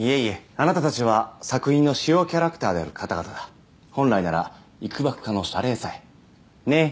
あなたたちは作品の主要キャラクターである方々だ本来なら幾ばくかの謝礼さえねえ？